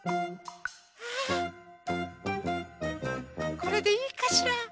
これでいいかしら？